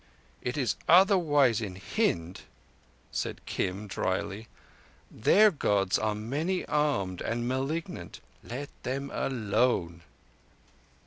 "It is otherwise in Hind," said Kim drily. "Their Gods are many armed and malignant. Let them alone."